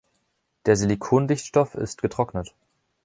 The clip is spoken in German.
Der Silikondichtstoff ist getrocknet.